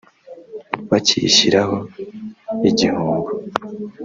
bakiyishyirira igihombo